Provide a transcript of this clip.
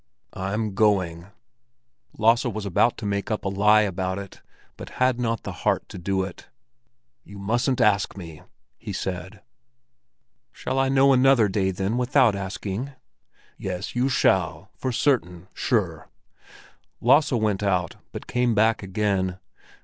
"I'm going—" Lasse was about to make up a lie about it, but had not the heart to do it. "You mustn't ask me!" he said. "Shall I know another day, then, without asking?" "Yes, you shall, for certain—sure!" Lasse went out, but came back again.